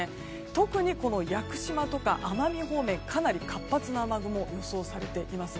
特に屋久島とか奄美方面かなり活発な雨雲が予想されています。